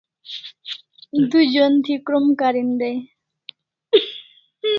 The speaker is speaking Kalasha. Du jon thi krom karin dai